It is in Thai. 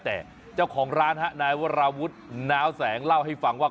แต่เจ้าของร้านฮะนายวราวุฒิน้าวแสงเล่าให้ฟังว่า